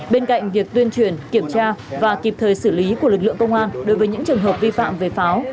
bên cạnh việc tuyên truyền kiểm tra và kịp thời xử lý của lực lượng công an đối với những trường hợp vi phạm về pháo